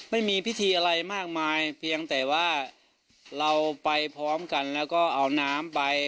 ไม่มีพิธีอะไรมากมายเพียงแต่ว่าเราไปพร้อมกันแล้วก็เอาน้ำไป